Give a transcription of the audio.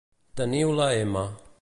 Teniu la m